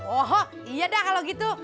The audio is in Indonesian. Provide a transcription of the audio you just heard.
oh iya dah kalau gitu